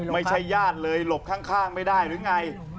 ไม่ใช่ญาติเลยหลบข้างไม่ได้หรือไง